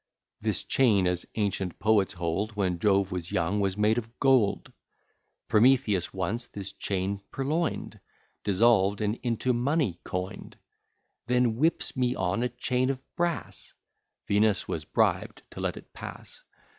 This chain, as ancient poets hold, When Jove was young, was made of gold, Prometheus once this chain purloin'd, Dissolved, and into money coin'd; Then whips me on a chain of brass; (Venus was bribed to let it pass.)